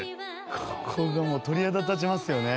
ここがもう鳥肌立ちますよね